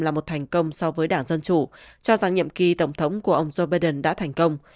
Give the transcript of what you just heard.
là một thành công so với đảng dân chủ cho rằng nhiệm kỳ tổng thống của ông joe biden đã thành công